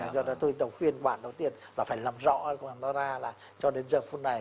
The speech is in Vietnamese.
do đó tôi tổng khuyên bạn đầu tiên và phải làm rõ nó ra là cho đến giờ phút này